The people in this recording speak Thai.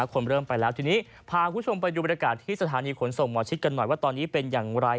คนเริ่มไปแล้วทีนี้พาคุณผู้ชมไปดูบรรยากาศที่สถานีขนส่งหมอชิดกันหน่อยว่าตอนนี้เป็นอย่างไร